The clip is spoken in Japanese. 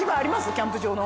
キャンプ場の。